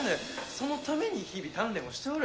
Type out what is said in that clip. そのために日々鍛錬をしておる。